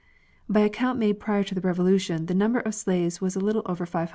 By a count made prior to the Revolution the number of slaves was a little over 500,000.